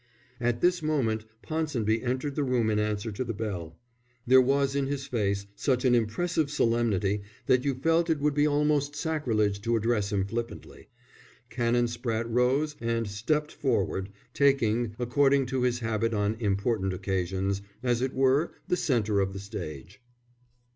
At this moment Ponsonby entered the room in answer to the bell. There was in his face such an impressive solemnity that you felt it would be almost sacrilege to address him flippantly. Canon Spratte rose and stepped forward, taking, according to his habit on important occasions, as it were the centre of the stage.